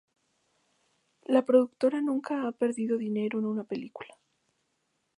La productora nunca ha perdido dinero en una película.